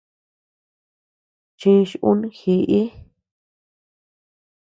Chich un jiʼi.